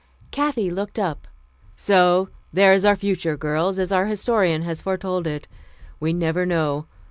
Kathy looked up. "So there is our future, girls, as our Historian has foretold it. We never know.